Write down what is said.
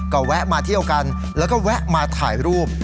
ก็แวะมาเที่ยวกันแล้วก็แวะมาถ่ายรูป